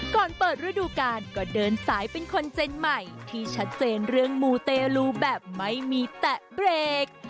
ก่อนเปิดฤดูการก็เดินสายเป็นคอนเจนใหม่ที่ชัดเจนเรื่องมูเตลูแบบไม่มีแตะเบรก